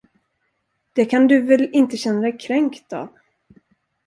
Det kan du väl inte känna dig kränkt av?